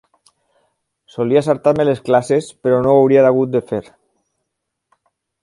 Solia saltar-me les classes, però no ho hauria hagut de fer.